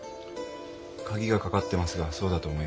鍵が掛かってますがそうだと思います。